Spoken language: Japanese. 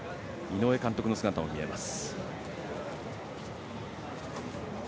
井上監督の姿も見えます。